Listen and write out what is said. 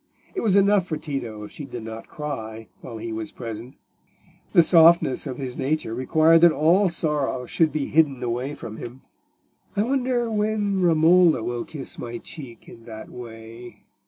It was enough for Tito if she did not cry while he was present. The softness of his nature required that all sorrow should be hidden away from him. "I wonder when Romola will kiss my cheek in that way?"